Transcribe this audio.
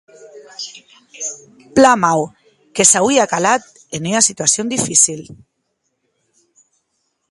Plan mau; que s’auie calat en ua situacion dificila.